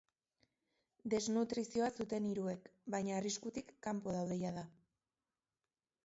Desnutrizioa zuten hiruek, baina arriskutik kanpo daude jada.